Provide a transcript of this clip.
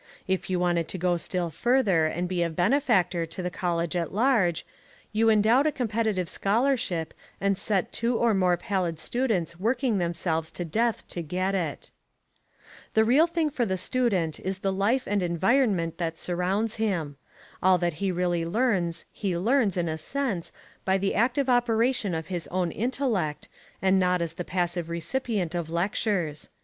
If you wanted to go still further and be a benefactor to the college at large, you endowed a competitive scholarship and set two or more pallid students working themselves to death to get it. The real thing for the student is the life and environment that surrounds him. All that he really learns he learns, in a sense, by the active operation of his own intellect and not as the passive recipient of lectures.